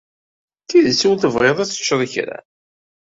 D tidet ur tebɣiḍ ad teččeḍ kra?